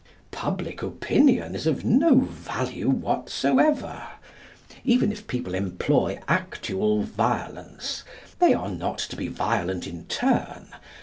Public opinion is of no value whatsoever. Even if people employ actual violence, they are not to be violent in turn.